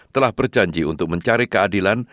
telah berjanji untuk mencari keadilan